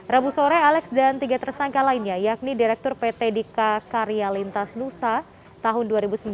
rabu sore alex dan tiga tersangka lainnya yakni direktur pt dika karya lintas nusa tahun dua ribu sembilan